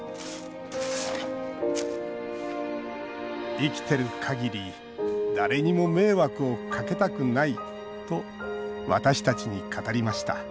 生きてるかぎり誰にも迷惑をかけたくないと私たちに語りました